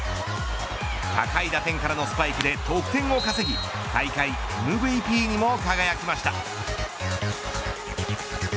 高い打点からのスパイクで得点を稼ぎ大会ＭＶＰにも輝きました。